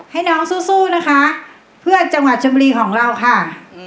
ให้น้องสู้นะคะเพื่อจังหวัดชมบุรีของเราค่ะ